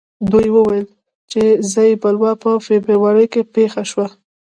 دوی وویل چې ځايي بلوا په فبروري کې پېښه شوه.